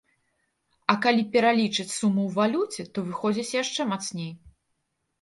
А калі пералічыць суму ў валюце, то выходзіць яшчэ мацней.